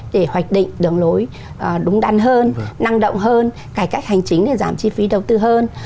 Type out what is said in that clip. để hoạch định đường lối đúng đắn hơn năng động hơn cải cách hành chính để giảm chi phí đầu tư hơn